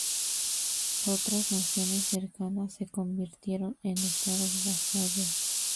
Otras naciones cercanas se convirtieron en Estados vasallos.